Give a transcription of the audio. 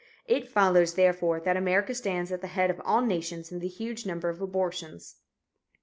It follows, therefore, that America stands at the head of all nations in the huge number of abortions."